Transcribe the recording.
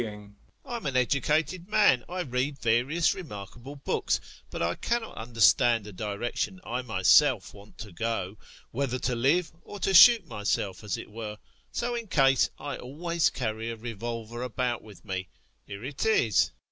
I'm an educated man, I read various remarkable books, but I cannot understand the direction I myself want to go whether to live or to shoot myself, as it were. So, in case, I always carry a revolver about with me. Here it is.